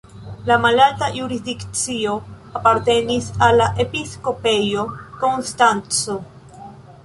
La malalta jurisdikcio apartenis al la Episkopejo Konstanco.